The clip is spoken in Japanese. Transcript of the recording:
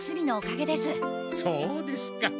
そうですか。